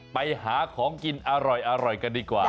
ไปหาของกินอร่อยกันดีกว่า